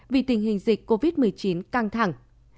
vì tình hình dịch covid một mươi chín căng thẳng